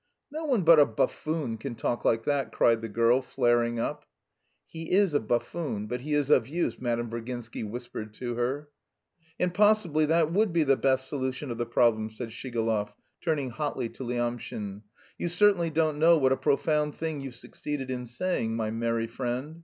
"No one but a buffoon can talk like that!" cried the girl, flaring up. "He is a buffoon, but he is of use," Madame Virginsky whispered to her. "And possibly that would be the best solution of the problem," said Shigalov, turning hotly to Lyamshin. "You certainly don't know what a profound thing you've succeeded in saying, my merry friend.